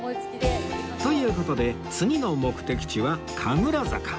という事で次の目的地は神楽坂